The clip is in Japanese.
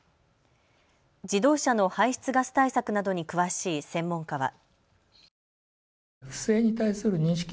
自動車の排出ガス対策などに詳しい専門家は。